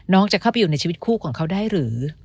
จะเข้าไปอยู่ในชีวิตคู่ของเขาได้หรือ